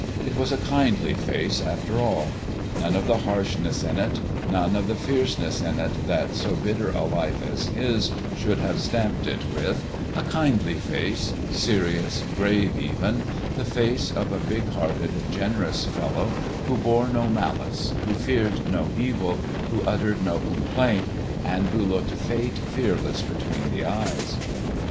It was a kindly face, after all; none of the harshness in it, none of the fierceness in it that so bitter a life as his should have stamped it with—a kindly face, serious, grave even, the face of a big hearted, generous fellow who bore no malice, who feared no evil, who uttered no complaint, and who looked fate fearless between the eyes.